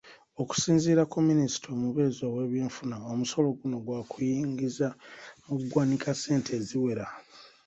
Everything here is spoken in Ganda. Okusinziira ku Minisita omubeezi ow'ebyenfuna, omusolo guno gwa kuyingiza mu ggwanika ssente eziwera.